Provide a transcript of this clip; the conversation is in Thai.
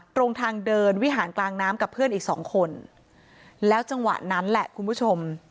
ตรงทางเดินวิหารกลางน้ำกับเพื่อนอีกสองคนแล้วจังหวะนั้นแหละคุณผู้ชม